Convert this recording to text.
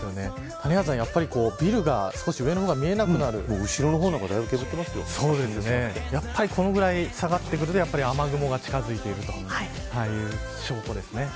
谷原さん、ビルの少し上の方が後ろの方なんかやっぱりこのぐらい下がってくると雨雲が近づいているという証拠ですね。